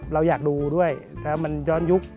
เราอยากดูด้วยแล้วมันย้อนยุค